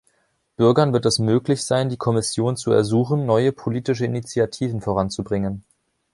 Bürgern wird es möglich sein, die Kommission zu ersuchen, neue politische Initiativen voranzubringen.